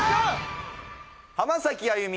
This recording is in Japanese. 浜崎あゆみ